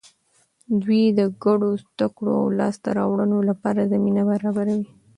دوی د ګډو زده کړو او لاسته راوړنو لپاره زمینه برابروي.